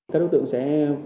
các đối tượng sẽ